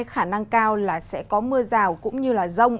khả năng cao là sẽ có mưa rào cũng như rông